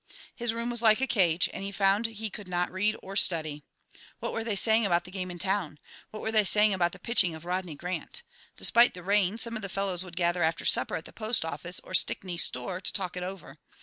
His room was like a cage, and he found he could not read or study. What were they saying about the game in town? What were they saying about the pitching of Rodney Grant? Despite the rain, some of the fellows would gather after supper at the postoffice or Stickney's store to talk it over.